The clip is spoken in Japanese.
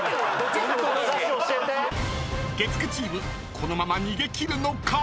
［月９チームこのまま逃げ切るのか？］